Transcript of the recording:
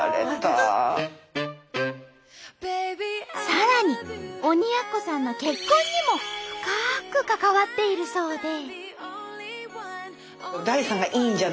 さらに鬼奴さんの結婚にも深く関わっているそうで。